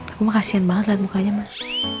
aku mah kasihan banget liat mukanya mas